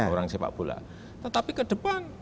orang sepak bola tetapi ke depan